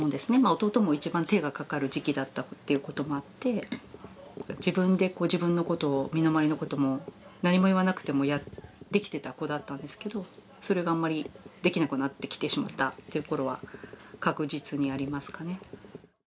弟も一番手がかかる時期だったっていうこともあって自分で自分のことを身の回りのことも何も言わなくてもできてた子だったんですけどそれがあんまりできなくなってきてしまったっていうころは確実にありますかね。